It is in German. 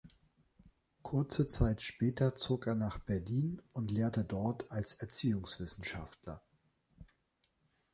Kurze Zeit später zog er nach Berlin und lehrte dort als Erziehungswissenschaftler.